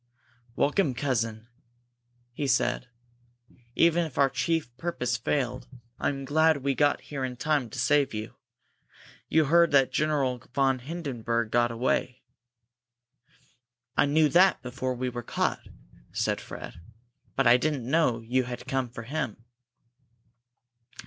"Welcome, cousin," he said. "Even if our chief purpose failed, I am glad we got here in time to save you. You heard that General von Hindenburg got away?" "I knew that before we were caught," said Fred, "but I didn't know you had come for him."